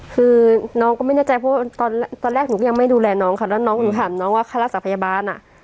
คือน้องก็ไม่แน่ใจเพราะว่าตอนแรกหนูก็ยังไม่ดูแลน้องค่ะแล้วน้องหนูถามน้องว่าค่ารักษาพยาบาลอ่ะ